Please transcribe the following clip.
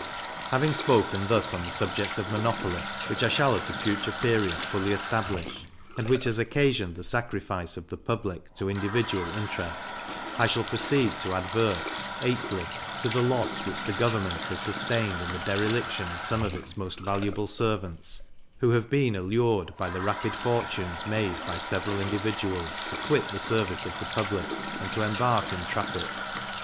Having spoken thus on the subject of monopoly, which I shall at a future period fully establish, and which has occasioned the sacrifice of the public, to individual interest, I shall proceed to advert, 8thly, to the loss which the government has sustained in the dereliction of some of its most valuable servants, who have been allured, by the rapid fortunes made by several individuals, to quit the service of the public, and to embark in traffic.